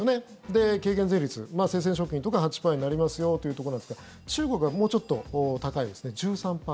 で、軽減税率生鮮食品とか８％になりますよというところなんですが中国はもうちょっと高いですね。